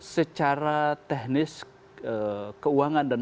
secara teknis keuangan